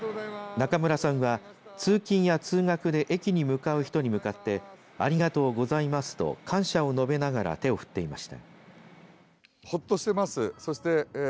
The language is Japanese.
中村さんは、通勤や通学で駅に向かう人に向かってありがとうございますと感謝を述べながら手を振っていました。